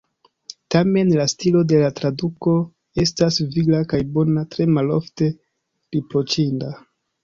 Tamen, la stilo de la traduko estas vigla kaj bona, tre malofte riproĉinda.